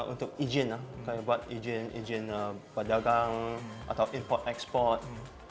untuk ijin seperti buat ijin perdagang atau import export